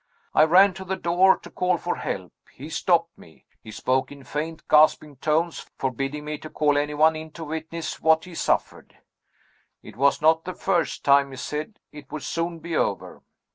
I ran to the door to call for help. He stopped me; he spoke in faint, gasping tones, forbidding me to call any one in to witness what he suffered. It was not the first time, he said; it would soon be over.